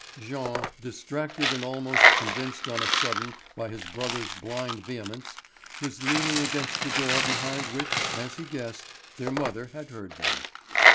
Jean, distracted and almost convinced on a sudden by his brother's blind vehemence, was leaning against the door behind which, as he guessed, their mother had heard them.